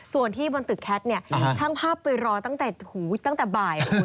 ส่วนที่บนตึกแคทเนี่ยช่างภาพไปรอตั้งแต่บ่าย